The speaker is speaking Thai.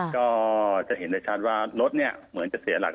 ก็จะเห็นได้ชัดว่ารถเนี่ยเหมือนจะเสียหลัก